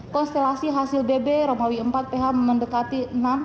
konstelasi hasil bb romawi empat ph mendekati enam